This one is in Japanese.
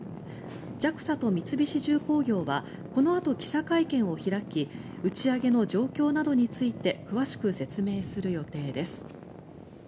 ＪＡＸＡと三菱重工業はこのあと、記者会見を開き打ち上げの状況などについて詳しく説明する予定です。